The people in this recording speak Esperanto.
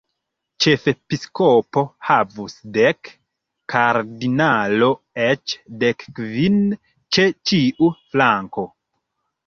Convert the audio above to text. Ĉefepiskopo havus dek, kardinalo eĉ dekkvin ĉe ĉiu flanko.